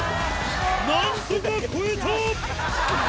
なんとか越えた！